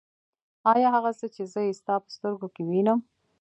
آيا هغه څه چې زه يې ستا په سترګو کې وينم.